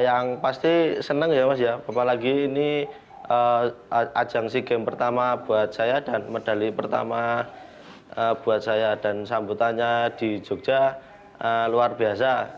yang pasti senang ya mas ya apalagi ini ajang sea games pertama buat saya dan medali pertama buat saya dan sambutannya di jogja luar biasa